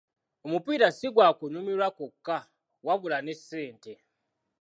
Omupiira si gwa kunyumirwa kwokka wabula ne ssente.